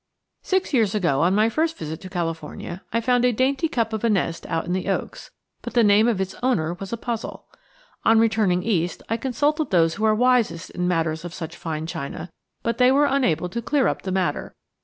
SIX years ago, on my first visit to California, I found a dainty cup of a nest out in the oaks, but the name of its owner was a puzzle. On returning East I consulted those who are wisest in matters of such fine china, but they were unable to clear up the matter.